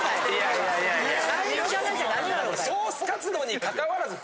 茶色じゃなきゃダメなのか。